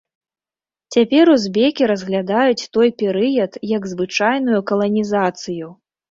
Цяпер узбекі разглядаюць той перыяд як звычайную каланізацыю.